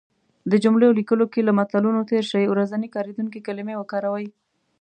د جملو لیکلو کې له متلونو تېر شی. ورځنی کارېدونکې کلمې وکاروی